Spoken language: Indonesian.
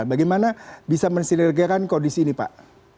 bagaimana bisa mensinergikan kondisi ini pak